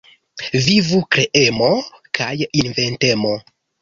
Vivu kreemo kaj inventemo.